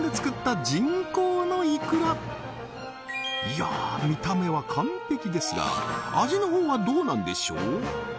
いや見た目は完璧ですが味の方はどうなんでしょう？